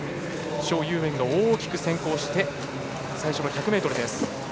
蒋裕燕が大きく先行して最初の１００ｍです。